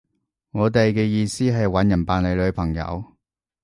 我哋嘅意思係搵人扮你女朋友